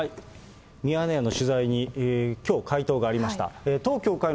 ミヤネ屋の取材にきょう、回答がありました。